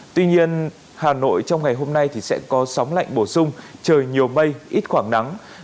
tuy nhiên hà nội trong ngày hôm nay thì sẽ có sóng lạnh bổ sung trời nhiều mây ít khoảng nắng